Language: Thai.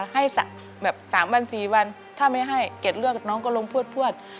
ให้สามวันสี่วันถ้าไม่ให้เกร็ดเลือดน้องก็ลงพวด